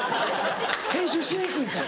編集しにくいから。